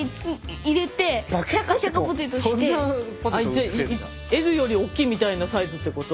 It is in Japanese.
じゃあＬよりおっきいみたいなサイズってこと？